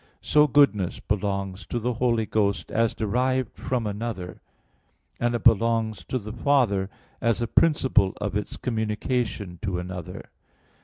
So goodness belongs to the Holy Ghost, as derived from another; and it belongs to the Father, as the principle of its communication to another.